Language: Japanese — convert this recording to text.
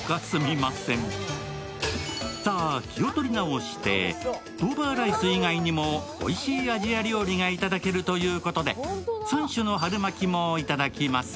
さあ、気を取り直して、トーバーライス以外にもおいしいアジア料理がいただけるということで３種の春巻きもいただきます。